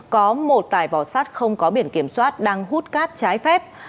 có một tài vỏ sát không có biển kiểm soát đang hút cát trái phép